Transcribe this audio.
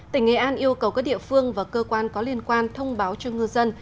tỉnh nghệ an yêu cầu các địa phương và cơ quan có liên quan thông báo cho ngư dân